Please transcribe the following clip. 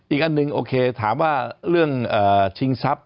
อีกอันหนึ่งโอเคถามว่าเรื่องชิงทรัพย